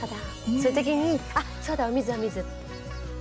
そういう時に「あっそうだお水お水」。